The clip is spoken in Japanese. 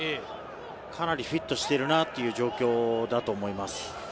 かなりフィットしているなという状況だと思います。